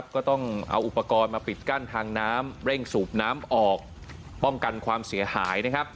ก็ต้องเอาอุปกรณ์มาปิดกั้นทางน้ำเร่งสูบน้ำออกป้องกันความเสียหาย